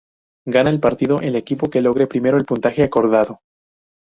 Gana el partido el equipo que logre primero el puntaje acordado.